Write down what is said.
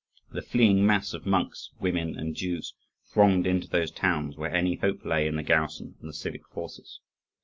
The fleeing mass of monks, women, and Jews thronged into those towns where any hope lay in the garrison and the civic forces.